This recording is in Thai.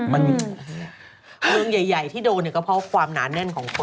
เรื่องใหญ่ที่โดนก็เพราะความหนาแน่นของคน